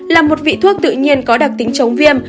là một vị thuốc tự nhiên có đặc tính chống viêm